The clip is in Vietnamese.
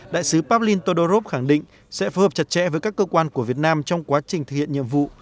đại sứ pablin todorov khẳng định sẽ phù hợp chặt chẽ với các cơ quan của việt nam trong quá trình thực hiện nhiệm vụ